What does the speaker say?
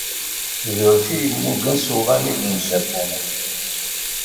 D urti yemmugen s uɣanib n Japun.